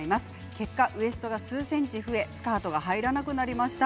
結果ウエストが数ｃｍですがスカートが入らなくなりました。